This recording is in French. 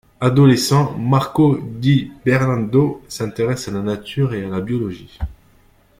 Adolescent, Marcos Di-Bernardo s'intéresse à la nature et à la biologie.